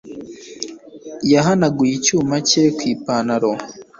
yahanaguye icyuma cye ku ipantaro.